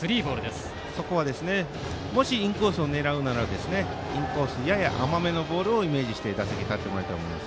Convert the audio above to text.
もしインコースを狙うならインコースやや甘めのボールをイメージして打席に立ってもらいたいです。